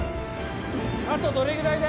あとどれぐらいだ？